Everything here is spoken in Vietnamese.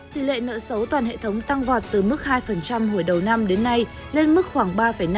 tỷ lệ nợ xấu toàn hệ thống tăng vọt từ mức hai hồi đầu năm đến nay lên mức khoảng ba năm